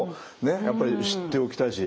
やっぱり知っておきたいし。